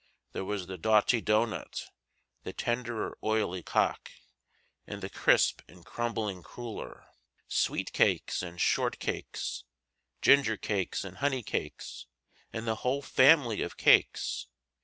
There was the doughty doughnut, the tenderer oily koek, and the crisp and crumbling cruller; sweet cakes and short cakes, ginger cakes and honey cakes, and the whole family of cakes.